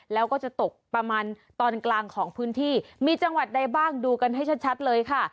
แล้วก็จะตกประมาณตอนกลางของพื้นที่มีจังหวัดใดบ้างดูกันให้ชัดเลยค่ะ